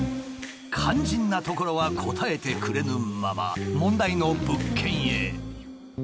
肝心なところは答えてくれぬまま問題の物件へ。